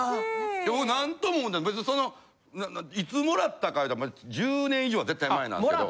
でも何とも思てない別にそのいつもらったかいうたら１０年以上は絶対前なんですけど。